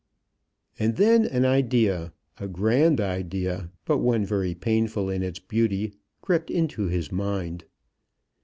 And then an idea, a grand idea, but one very painful in its beauty, crept into his mind.